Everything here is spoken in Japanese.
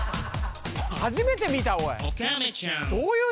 初めて見たおい。